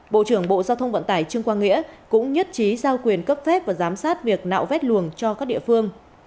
bộ trưởng bộ giao thông vận tải trương quang nghĩa cũng nhất trí giao quyền cấp phép và giám sát việc nạo vét luồng cho các địa phương